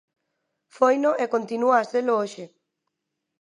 Foino e continúa a selo hoxe.